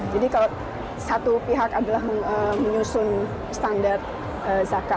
jadi kalau satu pihak adalah menyusun standar zakat